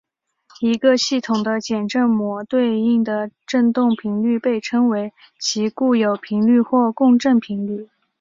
一个系统的简正模对应的振动频率被称为其固有频率或共振频率。